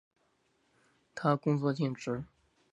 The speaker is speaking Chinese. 他工作尽职。